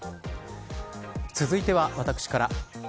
続いては、私から。